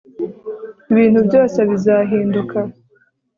ibintu byose bizahinduka